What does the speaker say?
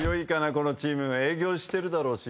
このチーム。営業してるだろうし。